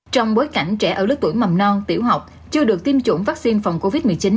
trong bối cảnh trẻ ở lứa tuổi mầm non tiểu học chưa được tiêm chủng vaccine phòng covid một mươi chín